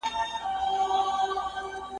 بوالعلا وو بریان سوی چرګ لیدلی ,